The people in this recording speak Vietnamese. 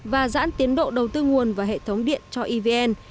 và giãn tiến độ đầu tư nguồn và hệ thống điện cho evn